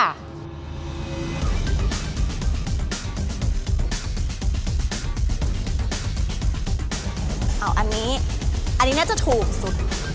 อันนี้อันนี้น่าจะถูกสุด